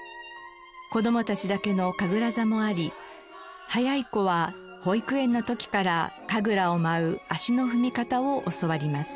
子供たちだけの神楽座もあり早い子は保育園の時から神楽を舞う足の踏み方を教わります。